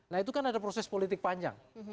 nah itu kan ada proses politik panjang